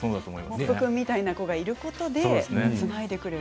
モップ君みたいな子がいることでつないでくれる。